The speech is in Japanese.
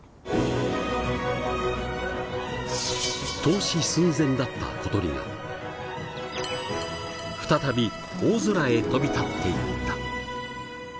凍死寸前だった小鳥が再び大空へ飛び立っていった。